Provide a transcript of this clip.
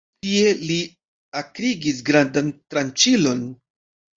Tie li akrigis grandan tranĉilon.